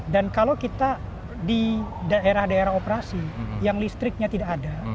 dan kalau kita di daerah daerah operasi yang listriknya tidak ada